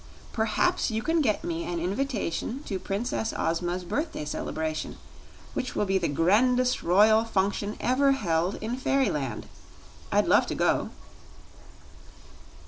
"Perhaps you can get me an invitation to Princess Ozma's birthday celebration, which will be the grandest royal function ever held in Fairyland. I'd love to go."